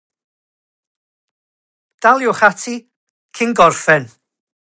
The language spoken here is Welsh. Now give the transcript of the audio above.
Un o'r ffurfiau pwysicaf o wrthsafiad oedd y mudiadau protest torfol.